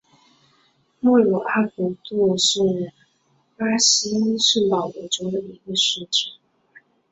莫鲁阿古杜是巴西圣保罗州的一个市镇。